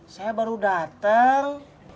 saya baru datang